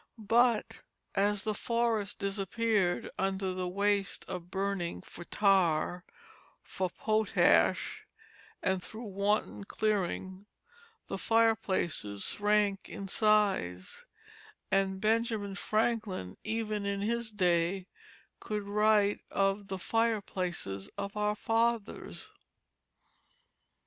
But as the forests disappeared under the waste of burning for tar, for potash, and through wanton clearing, the fireplaces shrank in size; and Benjamin Franklin, even in his day, could write of "the fireplaces of our fathers."